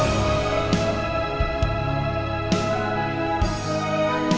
baik yare emphasize